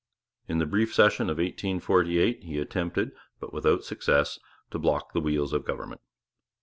In the brief session of 1848 he attempted, but without success, to block the wheels of government.